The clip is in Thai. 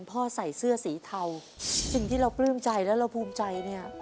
พ่อใส่เสื้อสีเทาสิ่งที่เราปลื้มใจแล้วเราภูมิใจเนี่ย